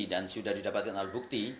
dan sudah didapatkan alat bukti